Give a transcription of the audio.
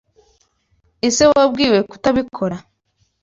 Ese Wabwiwe kutabikora.